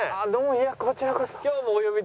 いやこちらこそ。